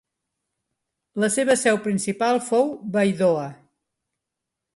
La seva seu principal fou Baidoa.